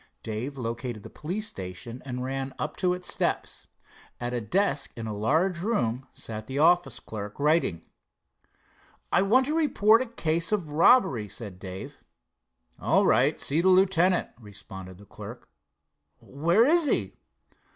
Dave located the police station and ran up its steps. At a desk in a large room sat the office clerk, writing. "I want to report a case of robbery," said Dave. "All right, see the lieutenant," responded the clerk. "Where is he?"